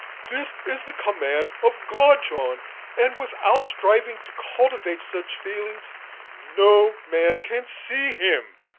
This is the command of God, John, and, without striving to cultivate such feelings, no man can see Him."